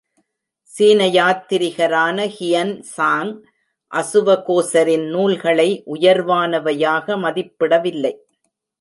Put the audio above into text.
சீனயாத்திரிகரான Hiuen Tsang அசுவகோசரின் நூல்களை உயர்வானவையாக மதிப்பிடவில்லை.